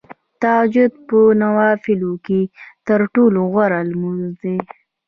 تهجد په نوافلو کې تر ټولو غوره لمونځ دی .